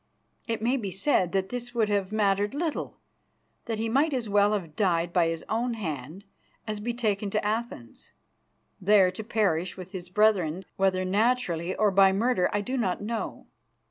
It may be said that this would have mattered little; that he might as well have died by his own hand as be taken to Athens, there to perish with his brethren, whether naturally or by murder I do not know.